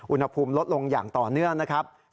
อุณหภูมิลดลงอย่างต่อเนื่องนะครับ